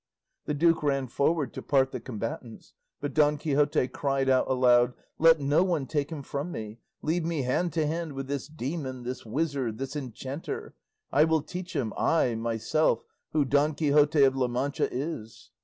The duke ran forward to part the combatants, but Don Quixote cried out aloud, "Let no one take him from me; leave me hand to hand with this demon, this wizard, this enchanter; I will teach him, I myself, who Don Quixote of La Mancha is."